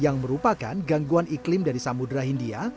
yang merupakan gangguan iklim dari samudera india